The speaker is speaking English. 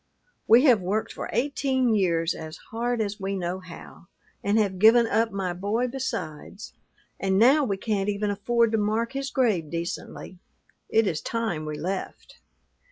We have worked for eighteen years as hard as we knew how, and have given up my boy besides; and now we can't even afford to mark his grave decently. It is time we left.'